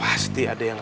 kalian makan indah